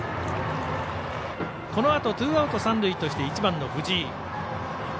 このあとツーアウト、三塁として１番の藤井。